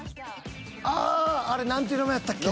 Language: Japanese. あああれ何ていう名前やったっけ？